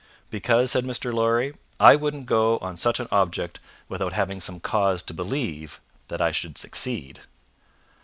"Because," said Mr. Lorry, "I wouldn't go on such an object without having some cause to believe that I should succeed."